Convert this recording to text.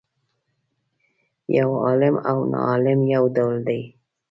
یو عالم او ناعالم یو ډول دي.